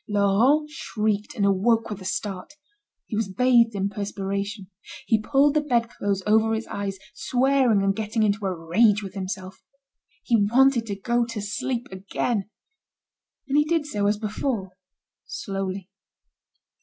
Laurent shrieked, and awoke with a start. He was bathed in perspiration. He pulled the bedclothes over his eyes, swearing and getting into a rage with himself. He wanted to go to sleep again. And he did so as before, slowly.